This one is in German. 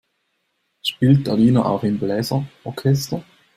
Spielt Alina auch im Bläser-Orchester?